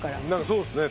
そうですね